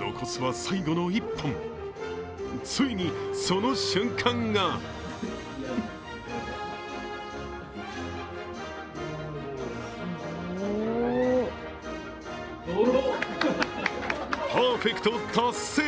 残すは最後の１本ついにその瞬間がパーフェクト達成！